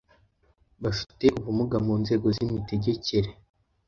bafite ubumuga mu nzego z’imitegekere